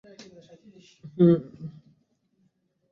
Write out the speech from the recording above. এধরনের টুলসের রকমফের করা বেশ কষ্ট সাধ্য।